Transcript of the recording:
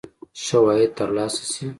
شواهد تر لاسه شي.